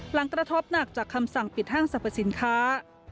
หลังกระทบหนักจากคำสั่งปิดห้างสรรพสินค้า